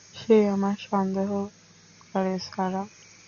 সে আমাদের সন্দেহ করে, সারাহ।